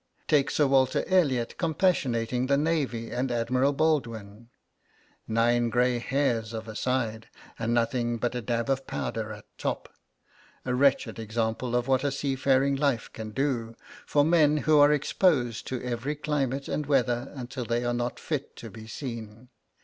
Take Sir Walter Elliot compassionating the navy and Admiral Baldwin 'nine grey hairs of a side, and nothing but a dab of powder at top a wretched example of what a seafaring life can do, for men who are exposed to every climate and weather until they are not fit to be seen.